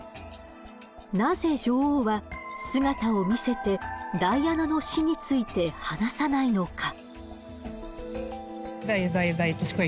なぜ女王は姿を見せてダイアナの死について話さないのか。